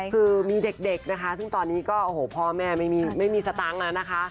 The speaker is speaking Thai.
คือมีเด็กนะคะซึ่งตอนนี้ก็พ่อแม่ไม่มีสตั้งละนะคะ